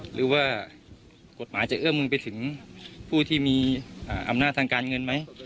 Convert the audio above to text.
หรือว่ากฎหมายจะเอื้อมมือไปถึงผู้ที่มีอำนาจทางการเงินไหม